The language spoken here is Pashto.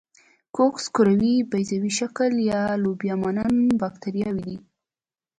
کوکس کروي، بیضوي شکل یا لوبیا مانند باکتریاوې دي.